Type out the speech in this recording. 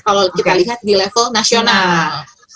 kalau kita lihat di level nasional